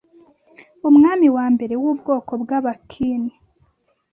Umwami wa mbere w’ubwoko bwaba Qin